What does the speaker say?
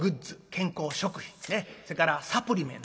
健康食品それからサプリメント。